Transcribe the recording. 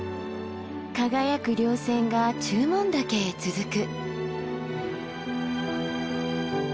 輝く稜線が中門岳へ続く。